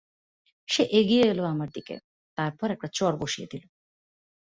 সে এগিয়ে এল আমার দিকে, তারপর একটা চড় বসিয়ে দিল।